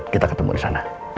kita ketemu di sana